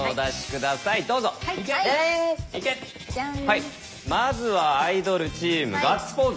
はいまずはアイドルチーム「ガッツポーズ」。